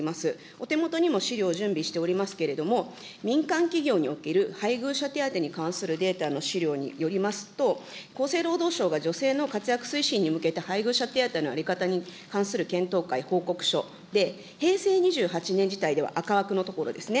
お手元にも資料を準備しておりますけれども、民間企業における配偶者手当に関するデータの資料によりますと、厚生労働省が女性の活躍推進に向けて配偶者手当の在り方に関する検討会報告書で、平成２８年時点では赤枠の所ですね。